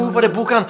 pak deh bukan